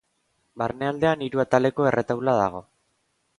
Barnealdean hiru ataleko erretaula dago.